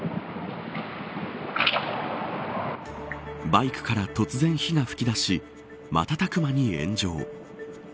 バイクから突然火が噴き出し瞬く間に炎上。